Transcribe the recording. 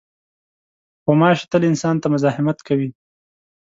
غوماشې تل انسان ته مزاحمت کوي.